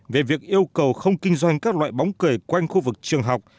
về việc yêu cầu không kinh doanh các loại bóng cười quanh khu vực trường học